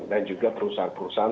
dan juga perusahaan perusahaan